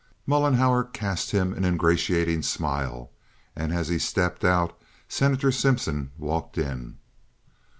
Mollenhauer cast him an ingratiating smile, and as he stepped out Senator Simpson walked in.